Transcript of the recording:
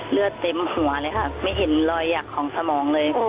เลือดเต็มหัวเลยค่ะไม่เห็นรอยหยักของสมองเลย